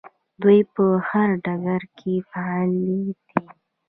دوی په هر ډګر کې فعالې دي.